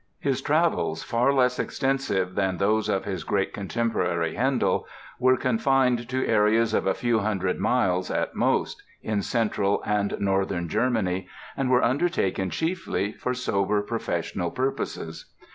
His travels, far less extensive than those of his great contemporary, Handel, were confined to areas of a few hundred miles at most in central and northern Germany and were undertaken chiefly for sober professional purposes.